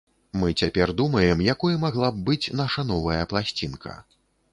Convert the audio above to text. Мы цяпер думаем, якой магла б быць наша новая пласцінка.